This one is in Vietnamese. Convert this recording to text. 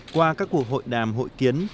qua các cuộc hội đàm hội kiến